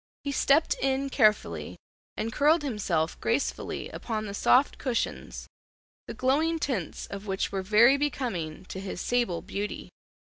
He stepped in carefully and curled himself gracefully upon the soft cushions, the glowing tints of which were very becoming to his sable beauty.